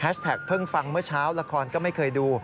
เพิ่งฟังเมื่อเช้าละครก็ไม่เคยดู